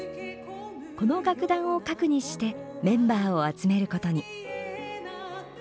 この楽団を核にしてメンバーを集めることに。